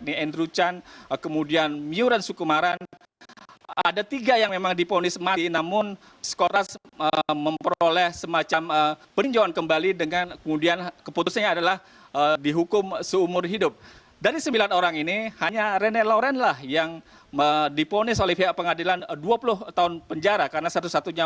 ketika dikonsumsi dengan konsulat jenderal australia terkait dua rekannya dikonsumsi dengan konsulat jenderal australia